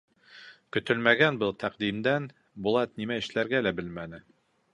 Көтөлмәгән был тәҡдимдән Булат нимә эшләргә лә белмәне.